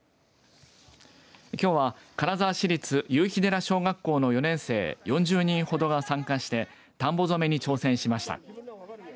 きょうは金沢市立夕日寺小学校の４年生４０人ほどが参加して田んぼ染めに挑戦しました。